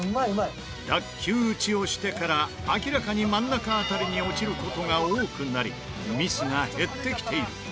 脱臼打ちをしてから明らかに真ん中辺りに落ちる事が多くなりミスが減ってきている。